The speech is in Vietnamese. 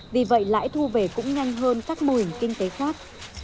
vì vậy lãi thu về cũng nhanh hơn các mô hình kinh tế khác